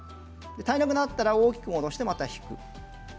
足りなくなったら大きく戻してまた引く。